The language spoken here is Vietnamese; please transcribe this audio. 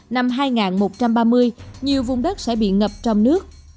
năm hai nghìn một trăm ba mươi nhiều vùng đất sẽ bị ngập trong nước